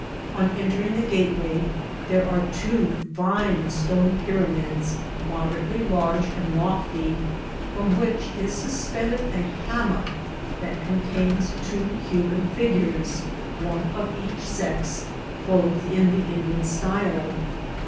On entering the gateway there are two fine stone pyramids, moderately large and lofty, firom which is suspended a hammock that con tains two human figures, one of each sex, clothed in the Indian style.